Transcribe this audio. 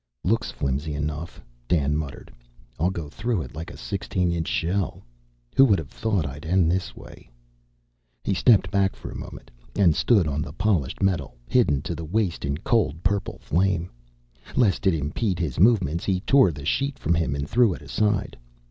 "Looks flimsy enough," Dan muttered. "I'll go through it like a sixteen inch shell! Who would have thought I'd end this way!" He stepped back for a moment, and stood on the polished metal, hidden to the waist in cold purple flame. Lest it impede his movements, he tore the sheet from him and threw it aside.